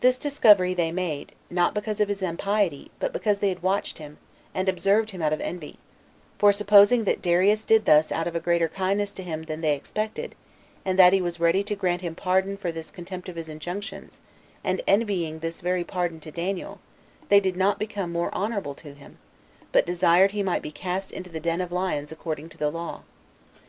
This discovery they made, not because of his impiety, but because they had watched him, and observed him out of envy; for supposing that Darius did thus out of a greater kindness to him than they expected, and that he was ready to grant him pardon for this contempt of his injunctions, and envying this very pardon to Daniel, they did not become more honorable to him, but desired he might be cast into the den of lions according to the law.